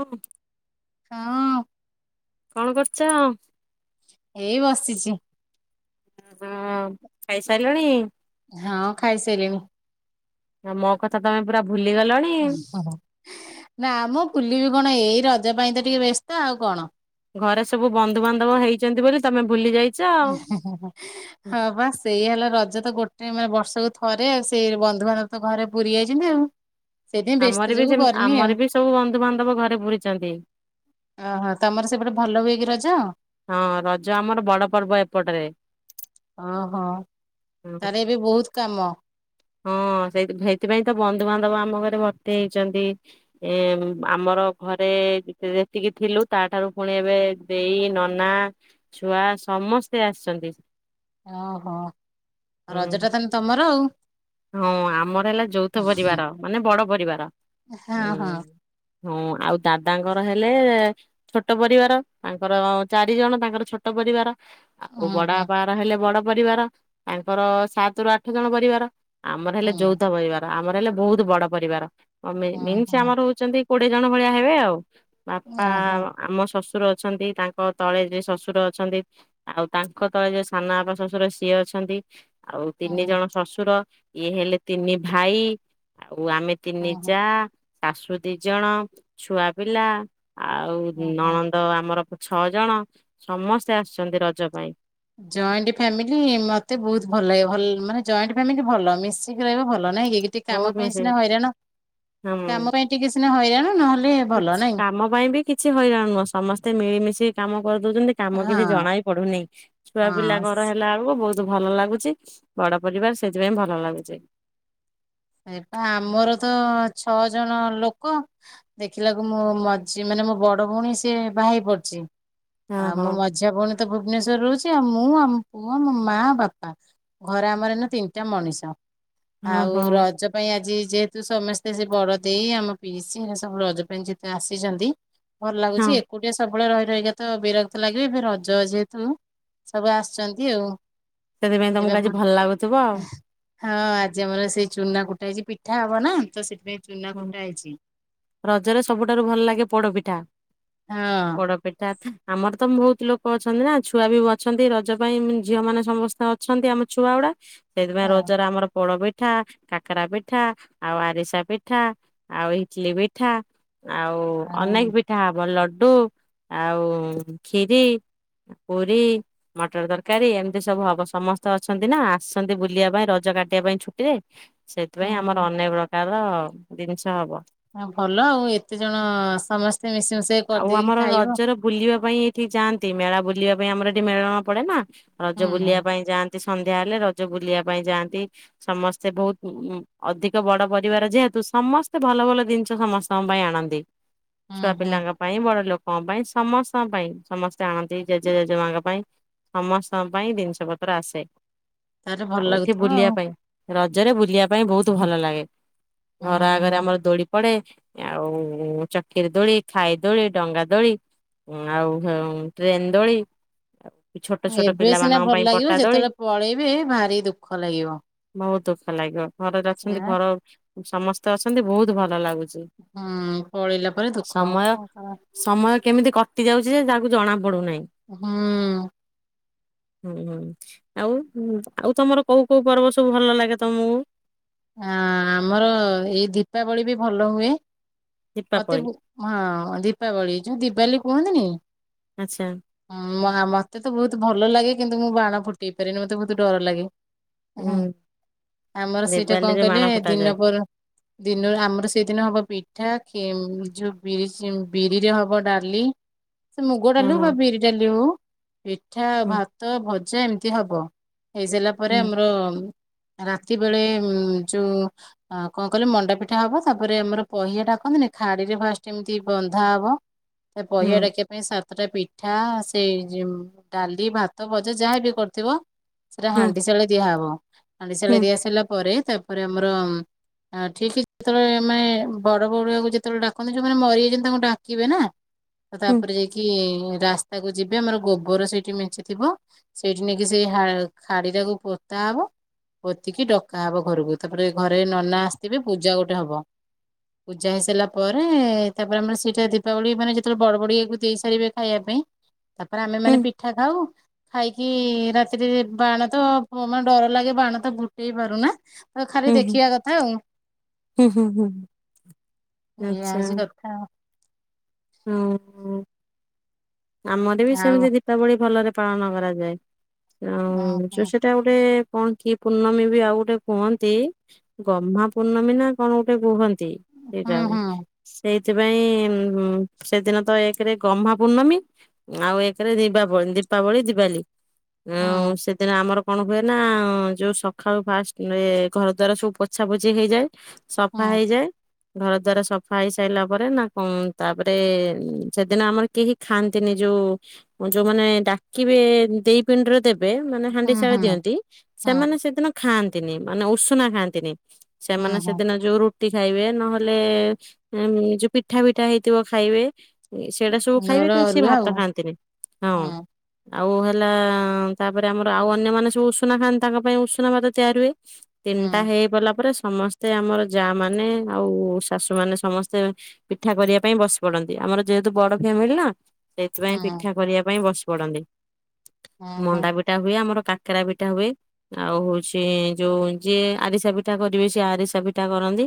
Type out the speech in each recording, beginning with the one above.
ହୁଁ। ହଁ। କଣ କରୁଛ ଆ। ଏଇ ବସିଛି। ହଁ ଖାଇସାରିଲାଣି ହଁ ଖାଇସାରିଣିି। ଆ ମୋ କଥା ତମେ ପୁରା ଭୁଲି ଗଲଣି। ଓ ଓୋ ନାମ ପୁଲି ବି କଣ ଏଇ ରଜ ପାଇଁ ତ ଟିକେ ବ୍ୟସ୍ତ ଆଉ କଣ। ଘରେ ସବୁ ବନ୍ଧୁବାନ୍ଧବ ହେଇଛନ୍ତି ବୋଲି ତମେ ଭୁଲି ଯାଇ ଓ ହ ହ ହଁ ହଁ ବା ସେଇ ହେଲା ରଜ ତ ଗୋଟେ ମାନେ ବର୍ଷକୁ ଥରେ ଆଉ ସେଇ ବନ୍ଧୁବାନ୍ଧବ ତ ଘରେ ପୁରି ଯାଇଛି ନା ଆଉ। ସେଇଥିପାଇଁ ବ୍ୟସ୍ତ ଆମର ବି ଯୋଗୁ ସେ କରିନି ଆଉ ଆମର ବି ସବୁ ବନ୍ଧୁବାନ୍ଧବ ଘରେ ବୁୀଛନ୍ତି। ଓହୋ ତମର ସେପଟେ ଭଲ ହୁଏ କି ରଜ। ହଁ ରଜ ଆମର ବଡ ପର୍ବ ଏପଟରେ। ଓହୋ ତାର ଏବେ ବହୁତ କାମ। ହଁ ସେ ସେଇଥିପାଇଁ ତ ବନ୍ଧୁବାନ୍ଧବ ଆମ ଘରେ ଭର୍ତ୍ତି ହେଇଛନ୍ତି। ଏ ଆମର ଘରେ ଯେତିକି ଥିଲୁ ତାଠାରୁ ପୁଣି ଏବେ ଦେଇ ନନା ଛୁଆ ସମସ୍ତେ ଆସିଛନ୍ତି। ଓହୋ ହୁଁ ରଜ ଟା ତାେଲେ ତମର ଆଉ। ହଁ ଆମର ହେଲା ଯୌଥ ପରିବାର ମାନେ ବଡ ପରିବାର ହଁ ହୁଁ। ହଁ ହଁ ଆଉ ଦାଦାଙ୍କର ହେଲେ ଛୋଟ ପରିବାର ତାଙ୍କର ଚାରି ଜଣ ତାଙ୍କର ଛୋଟ ପରିବାର। ଆଉ ବଡ ହୁଁ ବାପା ଘର ହେଲେ ବଡ ପରିବାର ତାଙ୍କର ସାତ ରୁ ଆଠ ଜଣ ପରିବାର। ଆମର ହେଲେ ହୁଁ ଯୌଥ ପରିବାର ଆମର ହେଲେ ବହୁତ ବଡ ପରିବାରନ୍ ହୁଁ ହୁଁ ହୁଁ ଆମର ହ ଅଛନ୍ତି କୋଡିଏ ଜଣ ଭଳିଆ ହେବେ ଆଉ ବାପା ଓହୋ ଆମ ଶ୍ୱଶୁର ଅଛନ୍ତି। ତାଙ୍କ ତଳେ ଯିଏ ଶ୍ୱଶୁର ଅଛନ୍ତି। ଆଉ ତାଙ୍କ ତଳେ ଯୋଉ ସାନ ଆପ ଶଶୁର ସିଏ ଅଛନ୍ତି। ଆଉ ହୁଁ ତିନି ଜଣ ଶ୍ଶୁର ଇଏ ହେଲେ ତିନି ଭାଇ ଆଉ ଆମେ ତିନି ହୁଁ ଯା ଶାଶୁ ଦି ଜଣ ଛୁଆ ପିଲା। ଆଉ ହୁଁ ହୁଁ ନଣନ୍ଦ ଆମର ଛଅ ଜଣ ସମସ୍ତେ ଆସିଛନ୍ତି ରଜ ପାଇଁ। ଜଏଣ୍ଟ ଫ୍ୟାମିଲି ମତେ ବହୁତ ଭଲ ଲାଗିବଲ ମାନେ ଜଏଣ୍ଟ ଫ୍ୟାମିଲି ଭଲ ମିଶିକି ରହିବ ଭଲ ନାଇଁ କି? ଟିକ କାମ ବହୁତ ପାଇଁ ମିଶି ସିନା ହଇରାଣ କାମ ପାଇଁ ଟିକେ ସିନା ହଇରାଣ ନହେଲେ ଭଲ ନାଇଁ କାମ ପାଇଁ ବି କିଛି ହଇରାଣି ନୁହଁ ସମସ୍ତେ ମିଳିମିଶି କାମ କରିଦଉଛନ୍ତି। କାମ କିଛି ହଁ ଜଣାଇ ପଡୁନି ଛୁଆ ପିଲା ହଁ ଘର ହେଲା ବେଳକୁ ବହୁତ ଭଲ ଲାଗୁଛି ବଡ ପରିବାର ସେଥିପାଇଁ ଭଲ ଲାଗୁଛି। ଏପ ଆମର ତ ଛଅ ଜଣ ଲୋକ। ଦେଖିଲାକୁ ମୁଁ ମଝି ମାନେ ମୋ ବଡ ଭଉଣୀ ସିଏ ବା ହେି ପଡଛି ହଁ ଆଉ ହଁ ମୁଁ ମଝି ଝିଆ ଭଉଣୀ ତ ଭୁବନେଶ୍ଵର ରହୁଛି ଆଉ ମୁଁ ଆମ ପୁଅ ଆୋ ମା ବାପା। ଘରେ ଆମର ଏ ନା ତିନିଟା ମଣିଷ ହଁ ଆଉ ହଁ ର ରଜ ପାଇଁ ଆଜି ଯେହେତୁ ସମସ୍ତେ ସେ ବଡ ଦେଇ ଆମ ପିଇସି ଏ ସବୁ ରଜ ପାଇଁ ଯେହେତୁ ଆସିଛନ୍ତି। ଭଲ ହଁ ଲାଗୁଛି ଏକୁଟିଆ ସବୁବେଳେ ରହି ରହି ତ ବିରକ୍ତ ଲାଗିବେ ଏ ରଜ ଯେହେତୁ। ସବୁ ଆସିଛନ୍ତି ଆଉ। ସେଥିପାଇଁ ଏବେ ତମକୁ ଆଜି ଆମର ଭଲ ଲାଗୁଥିବ ଆଉ ହଁ ଆଜି ଆମର ସେଇ ଚୁନା କୁଟା ହେଇଛି ପିଠା ହବ ନା ତ ସେଥିପାଇଁ ଚୁନା କୁଟା ହେଇଛି। ରଜରେ ସବୁଠାରୁ ଭଲ ଲାଗେ ପୋଡପିଠା। ହଁ। ପୋଡ଼ପିଠା ଆମର ତ ବହୁତ ଲୋକ ଅଛନ୍ତି ନା ଛୁଆ ବି ଅଛନ୍ତି ରଜ ପାଇଁ ଝିଅ ମାନେ ସମସ୍ତେ ଅ ଅଛନ୍ତି ଆମ ଛୁଆ ଗୁଡା। ସେଇଥିପାଇଁ ଆଉ ରଜରେ ଆମର ପୋଡ ପିଠା କାକରା ପିଠା ଆଉ ଆରିସା ପିଠା ପିଠା ଆଉ ଇଟିଲ ପିଠା ଆଉ ହଁ ଅନେକ ପି ସେଟା ହବ ଲଡୁ ଆଉ ଖିରି ପୁରୀ ମଟର ତରକାରୀ ଏମିତି ସବୁ ହବ ସମସ୍ତେ ଅଛନ୍ତି ନା ଆସଛନ୍ତି ବୁଲିବା ପାଇଁ ରଜ କାଟିବା ପାଇଁ ଛୁଟିରେ। ସେଥିପାଇଁ ଆମର ହଁ। ଅନେକ ପ୍ରକାର ଜିନିଷ ହବ। ହ ଭଲ ଆଉ ଏତେ ଜଣ ସମସ୍ତେ ମିଶିମଶ ଆଉ ଆମର ରଜର ବୁଲିବା ପାଇଁ ଏଇଠି ଯାଆନ୍ତି ମେଳା ବୁଲିବା ପାଇଁ ଆମର ଏଠି ମେଳଣ ପଡେ ନା ହୁଁ ରଜ ବୁଲିବା ପାଇଁ ଯାଆନ୍ତି। ତେ ସନ୍ଧ୍ୟା ହେଲେ ରଜ ବୁଲିବା ପାଇଁ ଯାଆନ୍ତି। ସମସ୍ତେ ବହୁତ ଅଧିକ ବଡ ପରିବାର ଯେହେତୁ ସମସ୍ତେ ଭଲ ଭଲ ଜିନିଷ ସମସ୍ତଙ୍କ ପାଇଁ ଆଣନ୍ତି। ହୁଁ ଛୁଆ ହୁଁ ପିଲା। ପାଇଁ ବଡ ଲୋକଙ୍କ ପାଇଁ ସମସ୍ତଙ୍କ ପାଇଁ ସମସ୍ତେ ଆଣନ୍ତି ଜେଜେ ଜେଜେମାଙ୍କ ପାଇଁ। ସମସ୍ତଙ୍କ ପାଇଁ ଜିନିଷ ପତ୍ର ଆସେ ତାହେଲେ ଭଲ ଆଉ ଏଠି ଲାଗୁଥିବ ବୁଲିବା ଆଉ ପାଇଁ। ରଜରେ ବୁଲିବା ପାଇଁ ବହୁତ ଭଲ ଲାଗେ ଘର ହୁଁ ଆଗରେ ହୁଁ। ଆମର ଦୋଳି ପଡେ ଆଉ ଚକିରେ ଦୋଳି ଖାଇ ଦୋଳି ଡଙ୍ଗା ଦୋଳି ଆଉ ଟ୍ରେନ ଦୋଳି ଛୋଟ ଛୋଟ ଏବେ ସିନା ପିଲାମାନଙ୍କ ଭଲ ପାଇଁ ଲାଗିବ ପଟା ଦୋଳି ଯେତେବେଳେ ପଳେଇବେ ଭାରି ଦୁଃଖ ଲାଗିବ। ବହୁତ ଦୁଃଖ ଲାଗିବ ଘର ଅଛନ୍ତି ସେଇଆ ଘର ସମସ୍ତେ ଅଛନ୍ତି ବହୁତ ଭଲ ଲାଗୁଛି। ହୁଁ ପଲେଇଲା ପରେ ଦୁଃଖ। ସମୟ ସମୟ କେମିତି କଟି ଯାଉଛି ଯେ ତାକୁ ଜଣା ପଡୁନାହିଁ। ହୁଁ। ହୁଁ ହୁଁ ଆଉ ଆଉ ତମର କୋଉ କୋଉ ପର୍ବ ସବୁ ଭଲ ଲାଗେ ତମକୁ? ଆ ଆମର ଏଇ ଦୀପାବଳି ବି ଭଲ ହୁଏ। ମତେ ଦୀପାବଳି ହଁ ଦୀପାବଳି ଯୋଉ ଦୀପାବଳି କୁହନ୍ତିନି। ଆଚ୍ଛା ହଁ ମତେ ତ ବହୁତ ଭଲ ଲାଗେ କିନ୍ତୁ ମୁଁ ବାଣ ଫୁଟେଇ ପାରେନି ମତେ ବହୁତ ଡର ଲାଗେ। ହଁ ହୁଁ ଆମର ସେଟା କଣ ଦେବାଲିରେ କହିଲେ ବାଣ ଫଟାଯାଏ ଦିନପ ଦିନ ଆମର ସେଇଦିନ ହବ ପିଠା ଯୋଉ ବିରି ବିରିରେ ହବ ଡାଲି। ସେ ମୁଗ ଡାଲି ଓହୋ ବା ବିରି ଡାଲି ହଉ ପିଠା ହୁଁ ଭାତ ଭ ସେ ଏମତି ହବ। ହେଇସାରିଲା ପରେ ହୁଁ ଆମର ରାତି ବେଳେ ଯୋଉ ଆ କଣ କହିଲ ମଣ୍ଡାପିଠା ହବ ତାପରେ ଆମର ପହିଆ ଡାକନ୍ତିନି ଖାଡିରେ ଫାଷ୍ଟ ଏମିତି ବନ୍ଧା ହବ ଏ ହୁଁ ପହିଆ ଡାକିଆ ସାତଟା ପିଠା ସେଇ ଯୋଉ ଡାଲି ଭାତ ଭଜା ଯାହାବି କରିଥିବ ସେଟା ହୁଁ ହାଣ୍ଡି ସାଳେ ଦିଆହବ। ହାଣ୍ଡି ହୁଁ ସାଳେ ଦିଆସାରିଲା ପରେ ତାପରେ ଆମର ଆଁ ଠିକ୍ ଯେତେବେଳେ ମାନେ ବଡ ବଡୁଆକୁ ଯେତେବେଳେ ଡାକନ୍ତି ଯୋଉମାନେ ମରିଯାଇଛନ୍ତି ତାଙ୍କୁ ଡାକିବେ ନା? ତ ହୁଁ ତାପରେ ଯାଇକି ରାସ୍ତାକୁ ଯିବେ ଆମର ଗୋବର ସେଇଠି ମେଞ୍ଚିଥିବ ସେଇଠି ନେଇକି ସେଇ ହା ଖାଡି ଟାକୁ ପୋତା ହବ ପୋତିକି ଡକା ହବ ଘରକୁ। ତାପରେ ଘରେ ନନା ଆସିଥିବେ ପୂଜା ଗୋଟେ ହବ। ପୂଜା ହେଇସାରିଲା ପରେ ତାପରେ ଆମେ ସେଇଟା ଦୀପାବଳି ମାନେ ଯେତେବେଳେ ବଡ ବଡିଆକୁ ଦେଇ ସାରିବେ ଖାଇବା ପାଇଁ, ତାପରେ ଆମେ ହୁଁ ମାନେ ପିଠା ଖାଉ। ଖାଇକି କି ରାତିରେ ବାଣ ତ ମା ଡର ଲାଗେ ବାଣ ତ ଫୁଟେଇ ପାରୁନା ତ ଖାଲି ହୁଁ ହୁଁ ଦେଖିବା କଥା ଆଉ। ହୁଁ ହୁଁ ହୁଁ ଏଇଆ ହ ହଁ। ହୁଁ। ଆମର ବି ଆଉ ସେମିତି ଦୀପାବଳି ଭଲରେ ପାଳନ କରାଯାଏ। ଆଉ ଯୋ ସେଟା ଗୋଟେ କଣ କିଏ ପୂର୍ଣ୍ଣମୀ ବି ଆଉ ଗୋଟେ କୁହନ୍ତି ଗହ୍ମା ପୂର୍ଣ୍ଣମୀ ନା କଣ ଗୋଟେ କୁହନ୍ତି। ସେଇଟା ହୁଁ ହୁଁ ସେଇଥିପାଇଁ ସେଦିନ ତ ଏକରେ ଗହ୍ମା ପୂର୍ଣ୍ଣମୀ ଆଉ ଏକରେ ଦୀବାବଳି ଦୀପାବଳି ଦୀବାଲି ହୁଁ ଆଉ ସେ ଦିନ ଆମର କଣ ହୁଏ ନା ଯୋଉ ସକାଳୁ ଫାଷ୍ଟ ଘର ଦ୍ୱାର ସବୁ ପୋଛା ପୋଛି ହେଇଯାଏ। ସଫା ହୁଁ ହେଇଯାଏ। ଘର ଦ୍ବାର ସଫା ହେଇ ସାରିଲା ପରେ ନା କଣ ତାପରେ ସେଦିନ ଆମର କେହି ଖାଆନ୍ତି ତିନି ଯୋଉ ଯୋଉମାନେ ଡାକିବେ ଦେଇ ପିଣ୍ଡିରେ ଦେବେ ବେ ମାନେ ହୁଁ ହୁଁ ହାଣ୍ଡିଶାଳେ ହୁଁ ଦିଅନ୍ତି ହୁଁ ସେମାନେ ସେଦିନ ଖାଆନ୍ତିନି ମାନେ ଉଷୁନା ଖାଆନ୍ତିନି। ହଁ ସେମାନେ ହଁ ସେଦିନ ଯୋଉ ରୁ ଟି ଖାଇବେ ନହେଲେ ଯୋଉ ପିଠା ପିଠା ହେଇଥିବ ଖାଇବେ। ସେଇଟା ସବୁ ଘର ଖାଇବେ କିନ୍ତୁ ସେ ଅରୁଆ ଆଉ ଭାତ ଖାଆନ୍ତିନି ହଁ। ଆଉ ହେଲା ତାପରେ ଆମର ଆଉ ଅନ୍ୟମାନେ ସବୁ ଉଷୁନା ଖାନ୍ତି ତାଙ୍କ ପାଇଁ ଉଷୁନା ଭାତ ତିଆରି ହୁଏ। ତିନିଟା ହଁ ହେଇବଲା ପରେ ସମସ୍ତେ ଆମର ଯା ମାନେ ଆଉ ଶାଶୁ ମାନେ ସମସ୍ତେ ପିଠା କରିବା ପାଇଁ ବସି ପଡନ୍ତି ଆମର ଯେହେତୁ ବଡ ଫ୍ୟାମିଲି ନା? ସେଇଥିପାଇଁ ହଁ ହଁ ପିଠା କରିବା ପାଇଁ ବସି ପଡନ୍ତି। ହଁ ହଁ। ମଣ୍ଡା ପିଠା ହୁଏ ଆମର କାକେରା ପିଠା ହୁଏ। ଆଉ ହଉଚି ଯୋଉ ଯିଏ ଆରିସା ପିଠା କରିବେ ସିଏ ଆରିସା ପିଠା କରନ୍ତି।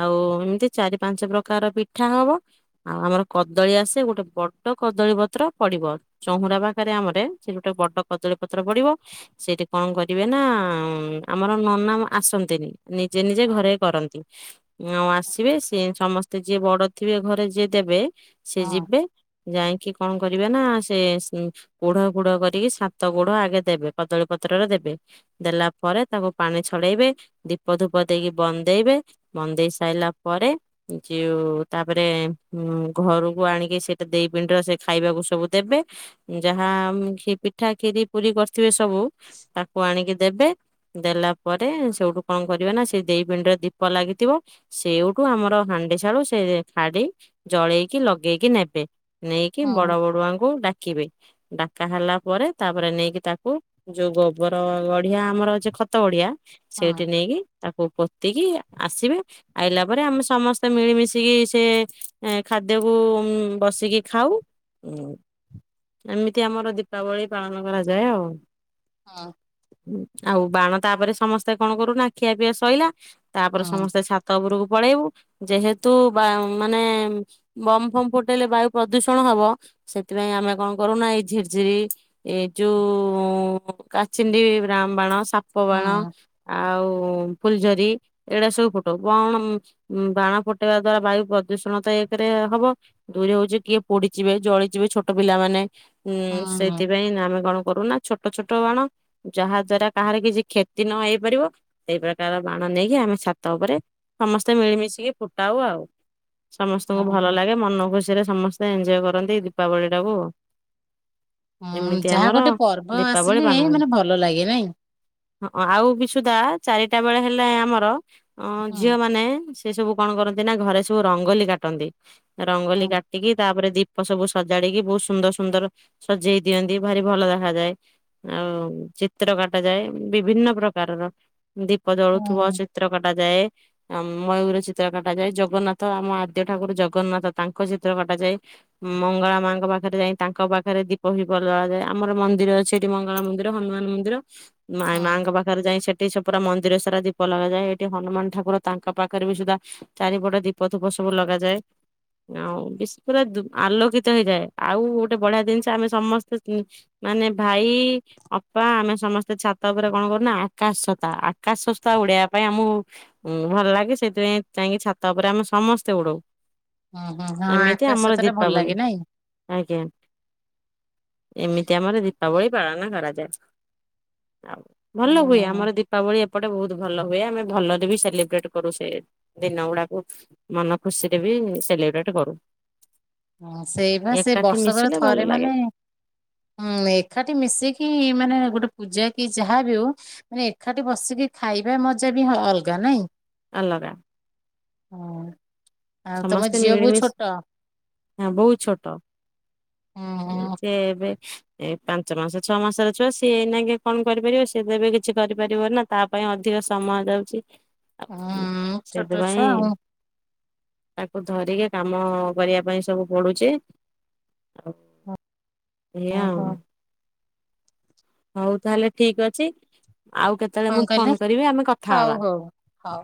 ଆଉ ଏମିତି ଚାରି ପାଞ୍ଚ ପ୍ରକାର ପିଠା ହବ ଆଉ ଆମର କଦଳୀ ଆସେ ଗୋଟେ ବଡ ଵଡ କଦଳୀ ପତ୍ର ପଡିବ, ଚଉୁରା ପାଖରେ ଆମରେ ସେ ଗୋଟେ ବଡ କଦଳୀ ପତ୍ର ପଡିବ। ସେଠି କଂ କରିବେ ନା ଆମର ନନା ମ ଆସନ୍ତିନି। ନିଜେ ନିଜେ ହଁ ଘରେ କରନ୍ତି। ଆଉ ଆସିବେ ସେ ସମସ୍ତେ ତେ ଯିଏ ବଡ ଥିବେ ଘରେ ଯିଏ ଦେବେ ସିଏ ହଁ ଯିବେ ଯାଇଙ୍କି କଣ କରିବେ ନା ସେ ସି ପୁଢ ପୁଢ କରିକି ସାତ ପୁଢ଼ ଆଗେ ଦେବେ କଦଳୀ ପତ୍ରରେ ଦେବେ। ଦେଲା ପରେ ତାକୁ ପାଣି ଛଡେଇବେ ଦୀପ ଧୂପ ଦେଇକି ବନ୍ଦେଇବେ। ବନ୍ଦେଇ ସାଇଲା ପରେ ଯିଉ ତାପରେ ଉ ଘରକୁ ଆଣିକି ସେ ଦେଇ ପିଣ୍ଡି ସେ ଖାଇବାକୁ ସବୁ ଦେବେ ଯାହା ଆମ ପିଠା ଖିରି ପୁରୀ କରିଥିବେ ସବୁ ତାକୁ ଆଣିକି ଦେବେ। ଦେଲା ପରେ ସେଉଠୁ କଣ କରିବେ ନା ସେଇ ଦେଇ ପିଣ୍ଡିରେ ଦୀପ ଲାଗିଥିବ। ସେଇଠୁ ଆମର ହାଣ୍ଡି ଶାଳୁ ସେ ଖାଡି ଜଳେଇକି ଲଗେଇକି ନେବେ। ନେଇକି ବଡ ହଁ ବଡୁଆଙ୍କୁ ଡାକିବେ ଡାକା ହେଲା ପରେ ତାପରେ ନେଇକି ତାକୁ ଯୋଉ ଗୋବର ଗଢିଆ ଆମର ଅଛି ଖତ ଗଢିଆ ହଁ ସେଇଠି ନେଇକି ତାକୁ ପୋତିକି ଆସିବେ। ଆଇଲା ପରେ ଆମେ ସମସ୍ତେ ମିଳିମିଶିକି ସେ ଖାଦ୍ୟକୁ ବସ୍ ବସିକି ଖାଉ। ଉ ଏମିତି ଆମର ଦୀପାବଳି ପାଳନ କରାଯାଏ ଆଉ। ହଁ। ଆଉ ବାଣ ତାପରେ ସମସ୍ତେ କଣ କରୁନା ଖିଆ ପିଆ ସରିଲା ତାପରେ ହଁ ସମସ୍ତେ ସାତ ଛାତ ଉପରୁକୁ ପଳେଇବୁ ଯେହେତୁ ବାମ୍ ମାନେ ବମ୍ ଫମ୍ ଫୁଟେଇଲେ ବାୟୁ ପ୍ରଦୂଷଣ ହବ ସେଥିପାଇଁ ଆମେ କଣ କରୁନା ଏଇ ଝିରି ର୍ଝିରି ଏ ଯୋଉ କାଚିଣ୍ଡି ବାଣ ସାପ ବାଣ। ହଁ ଆଉ ଫୁଲ୍ ଝରି। ଏଇଗୁଡା ସବୁ ଫୁଟଉ କଣ ବାଣ ଫୁଟେଇବା ଦ୍ଵାରା ବାୟୁ ପ୍ରଦୂଷଣ ତ ଏକେରେ ହବ। ଦୁଇ ରେ ହଉଚି। କିଏ ପୋଡିଯିବେ ଜଳିଯିବେ ଛୋଟ ପିଲା ମାନେ ଉଁ ହଁ। ସେଥିପାଇଁ ଆମେ କଣ କରୁ ନା। ଛୋଟ ଛୋଟ ବାଣ ଯାହା ଦ୍ଵାରା କାହାର କିଛି କ୍ଷତି ନ ହେଇ ପାରିବ। ସେଇ ପ୍ରକାର ର ବାଣ ନେଇକି ଆମେ ଛାତ ଉପରେ ସମସ୍ତେ ମିଳିମିଶିକି ଫୁଟାଉ ଆଉ। ସମସ୍ତଙ୍କୁ ଭଲ ଓହୋ ଲାଗେ ମନଖୁସି ରେ ସମସ୍ତେ ଏଞ୍ଜୟେ କରନ୍ତି ଦିପାବଳୀ ଟାକୁ। ହୁଁ ଏମିତି ଯାହା ଆମର ଗୋଟେ ପର୍ବ ଦୀପାବଳି ଆସିଲେ ପାଳନ ମାନେ ଭଲ ଲାଗେ ନାଇଁ? ହଁ ଆଉ ବି ସୁଧା ଚାରିଟା ବେଳେ ହେଲେ ଆମର ଅ ହଁ ଝିଅ ମାନେ ସେ ସବୁ କଣ କରନ୍ତି ନା ଘରେ ସବୁ ରଙ୍ଗୋଲି କାଟନ୍ତି ରଙ୍ଗୋଲି ହଁ କାଟିକି ତାପରେ ଦୀପ ସବୁ ସଜାଡିକି ବହୁତ୍ ସୁନ୍ଦର ସୁନ୍ଦର ସଜେଇ ଦିଅନ୍ତି ଭାରି ଭଲ ଦେଖାଯାଏ। ଆଉ ଚିତ୍ର କାଟା ଯାଏ ବିଭିନ୍ନ ପ୍ରକାରର ଦୀପ ହଁ ଜଳୁଥିବ ଚିତ୍ର କଟା ଯାଏ। ଯାଏ। ମୟୂର ଚିତ୍ର କଟାାଯାଏ ଜଗନ୍ନାଥ ଆମ ଆଦ୍ୟ ଠାକୁର ଜଗନ୍ନାଥ ତାଙ୍କ ଚିତ୍ର କଟ୍ କଟାଯାଏ। ମଙ୍ଗଳା ମାଙ୍କ ପାଖରେ ଯାଇ ତାଙ୍କ ପାଖରେ ଦୀପ ହିପ ଲଗାଯାଏ ଆମର ମନ୍ଦିର ଅଛି। ମଙ୍ଗଳା ମନ୍ଦିର ହନୁମାନ ମନ୍ଦିର ମା ହଁ ମାଆଙ୍କ ପାଖ୍ ପାଖରେ ଯାଇ ସେଠି ସେ ପୁରା ମନ୍ଦିର ସାରା ଦୀପ ଲଗାଯାଏ ଏଇଠି ହନୁମାନ ଠାକୁର ତାଙ୍କ ପାଖରେ ବି ସୁଦା ଚାରିପଟ ଦୀପ ଧୂପ ସବୁ ଲଗାଯାଏ। ଆଉ ବିସ୍ ପୁରା ଦୁ ଆଲୋକିତ ହେଇଯାଏ ଆଉ ଗୋଟେ ବଢିଆ ଜିନିଷ ଆମେ ସମସ୍ତେ ମାନେ ଭାଇ ଅପା ଆମେ ସମସ୍ତେ ଛାତ ଉପରେ କଣ କରୁନା ଆକାଶ ଛତା ଆକାଶ ସସ୍ତା ଉଡେଇବା ପାଇଁ ଆମୁ ଉଁ ଭଲ ଲାଗେ ସେଇଥିପାଇଁ ଯାଇକି ଛାତ ଉପରେ ଆମେ ସମସ୍ତେ ଉଡୁ। ହୁଁ ହୁଁ ହଁ ଆକାଶ ଛତା ଭଲ ଦୀପାବଳି ଲାଗେ ନାଇଁ? ଆଜ୍ଞା ଏମିତି ଆମର ଦୀପାବଳି ପାଳନ କରାଯାଏ। ଆଉ ଭଲ ହୁଏ ହୁଁ ଆମର ଦୀପାବଳି ଏପ୍ ଏପଟେ ବହୁତ୍ ଭଲ ହୁଏ ଆମେ ଭଲରେ ବି ସେଲିବ୍ରେଟ କରୁ ସେ ଦିନ ଗୁଡାକୁ। ମନ ଖୁସିରେ ବି ସେଲେବ୍ରେଟ କରୁ। ହଁ ସେଇବା ସେ ଏକାଠି ବର୍ଷକର ମିଶିଲେ ଭଲ ଥରେ ଲାଗେ ମାନେ ହୁଁ ଏକାଠି ମିଶିକି ମାନେ ଗୋଟେ ପୂଜା କି ଯାହାବି ହଉ ମା ଏକାଠି ବସିକି ଖାଇବା ମଜା ବି ଅଲଗା ନାଇଁ? ଆଲଗା। ହଁ ଆଉ ତମ ଝିଅ ବହୁ ଛୋଟ? ହଁ ବହୁତ୍ ଛୋଟ ହୁଁ ହୁଁ ସେ ଏବେ ଏ ପାଞ୍ଚ ମାସ ଛଅ ମାସର ଛୁଆ ସିଏ ଏଇନା କଣପାରିବ ସିଏ ଦେବେ କିଛି କରିପାରିବ ନା? ତା ପାଇଁ ଅଧିକ ସମୟ ଯାଉଛି ହୁଁ ଛୋଟ ଛୁଆ ସେଥିପାଇଁ ଆଉ ତାକୁ ଧରିକି କାମ କରିବା ପାଇଁ ସବୁ ପଡୁଛି ଆଉ। ଏୟା ଆଉ। ଓହୋ ହଉ ତାହେଲେ ଠିକ୍ ଅଛି ଆଉ କେତେଳେ ମୁଁ କଣ କହିଲେ ଫୋନ କରିବି ଆମେ କଥା ହଉ ହବା। ହଉ ହଉ।